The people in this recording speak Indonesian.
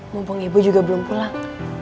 mumpung ibu juga belum pulang